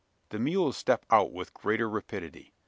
The mules step out with greater rapidity.